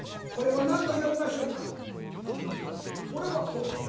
「うん。これはこうこう」。